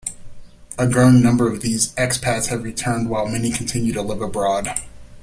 A growing number of these expats have returned, while many continue to live abroad.